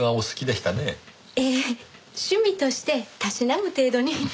ええ趣味としてたしなむ程度に。